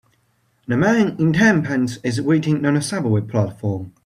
A man in tan pants is waiting on a subway platform.